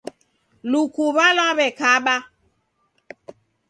Lukuw'a lwaw'ekaba.